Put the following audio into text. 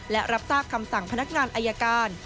และรับทราบคำสั่งพนักงานอายการ